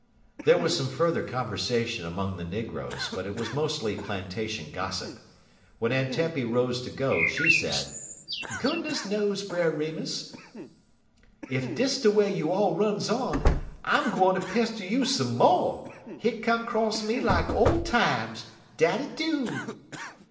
There was some further conversation among the negroes, but it was mostly plantation gossip. When Aunt Tempy rose to go she said: "Goodness knows, Brer Remus, ef dis de way you all runs on, I'm gwine ter pester you some mo'. Hit come 'cross me like ole times, dat it do."